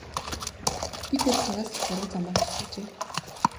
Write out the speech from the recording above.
Би тэр цагаас л буруу замаар зүтгэжээ.